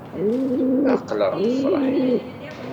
Aql-aɣ nefṛeḥ.